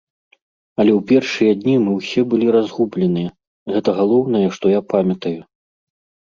Але ў першыя дні мы ўсе былі разгубленыя, гэта галоўнае, што я памятаю.